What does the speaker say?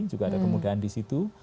juga ada kemudahan di situ